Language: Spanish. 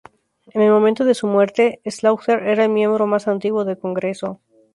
En el momento de su muerte, Slaughter era el miembro más antiguo del Congreso.